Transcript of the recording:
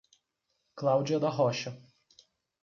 Cláudia da Rocha